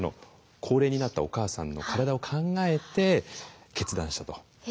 高齢になったお母さんの体を考えて決断したと。